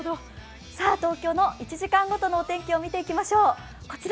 東京の１時間ごとのお天気見ていきましょう。